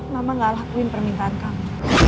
mama gak lakuin permintaan kamu